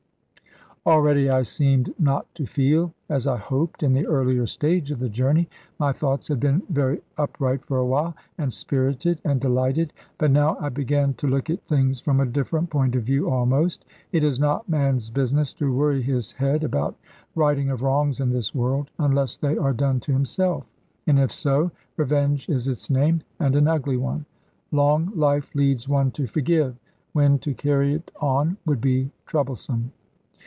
Already I seemed not to feel as I hoped, in the earlier stage of the journey. My thoughts had been very upright for a while, and spirited, and delighted; but now I began to look at things from a different point of view almost. It is not man's business to worry his head about righting of wrongs in this world, unless they are done to himself; and if so, revenge is its name, and an ugly one. Long life leads one to forgive, when to carry it on would be troublesome.